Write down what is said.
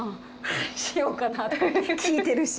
「しようかな」とか聞いてるし。